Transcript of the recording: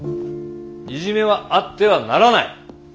いじめはあってはならない。